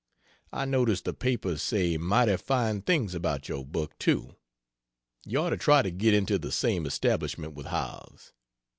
I notice the papers say mighty fine things about your book, too. You ought to try to get into the same establishment with Howells.